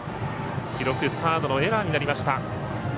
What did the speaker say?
記録、サードのエラーになりました。